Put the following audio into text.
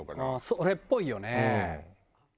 それっぽいよね。